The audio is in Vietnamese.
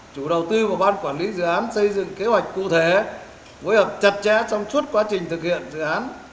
chủ đầu tư và ban quản lý dự án xây dựng kế hoạch cụ thể phối hợp chặt chẽ trong suốt quá trình thực hiện dự án